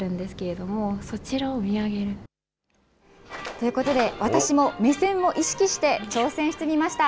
ということで、私も目線を意識して、挑戦してみました。